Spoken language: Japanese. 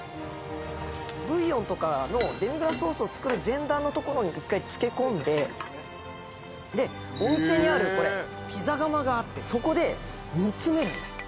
ブイヨンとかのデミグラスソースを作る前段のところに１回つけ込んででお店にあるこれピザ釜があってそこで煮詰めるんです